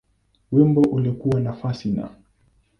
Wimbo ulikuwa nafasi Na.